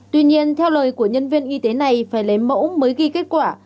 tuy nhiên theo lời của nhân viên y tế này phải lấy mẫu mới ghi kết quả